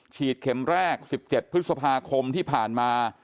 เข็มแรก๑๗พฤษภาคมที่ผ่านมา